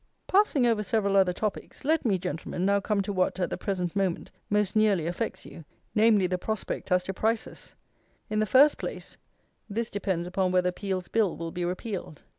Passing over several other topics, let me, Gentlemen, now come to what, at the present moment, most nearly affects you; namely, the prospect as to prices. In the first place, this depends upon whether Peel's Bill will be repealed.